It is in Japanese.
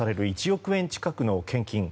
１億円近くの献金。